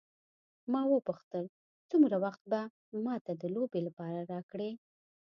ما وپوښتل څومره وخت به ما ته د لوبې لپاره راکړې.